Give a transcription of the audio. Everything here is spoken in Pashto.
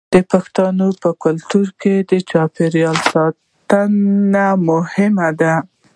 د پښتنو په کلتور کې د چاپیریال ساتنه مهمه ده.